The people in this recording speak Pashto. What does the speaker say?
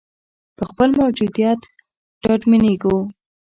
په خپل موجودیت ډاډمنېږو.